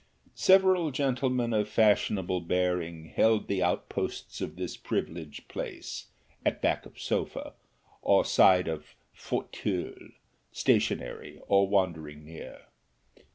Several gentlemen of fashionable bearing held the outposts of this privileged place, at back of sofa, or side of fauteuil, stationary, or wandering near.